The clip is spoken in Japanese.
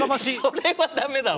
それは駄目だわ。